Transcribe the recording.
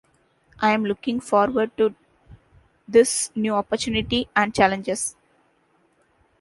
I am looking forward to this new opportunity and challenges.